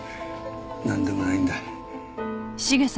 なんでもないんだ。